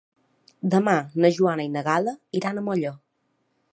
Demà na Joana i na Gal·la iran a Molló.